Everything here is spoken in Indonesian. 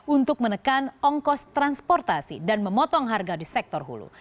untuk menekan ongkos transportasi dan memotong harga di sektor hulu